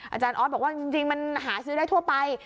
อาจารย์ออสบอกว่าจริงมันหาซื้อได้ทั่วไป